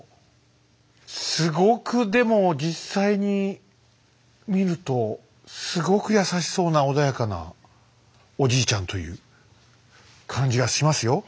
すごくでも実際に見るとすごく優しそうな穏やかなおじいちゃんという感じがしますよ。